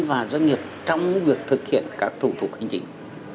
và doanh nghiệp trong việc thực hiện các thủ tục hành chính